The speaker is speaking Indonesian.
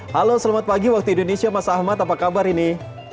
halo selamat pagi waktu indonesia mas ahmad apa kabar ini